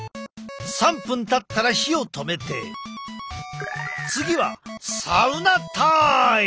３分たったら火を止めて次はサウナタイム！